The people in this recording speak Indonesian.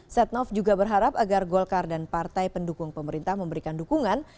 setnov juga berharap agar golkar dan partai pendukung pemerintah memberikan dukungan